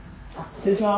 失礼します。